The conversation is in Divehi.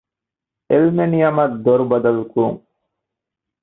އެލްމެނިއަމަށް ދޮރު ބަދަލުކުރުން